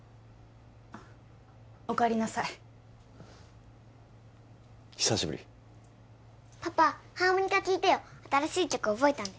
おかえりなさい久しぶりパパハーモニカ聴いてよ新しい曲覚えたんだよ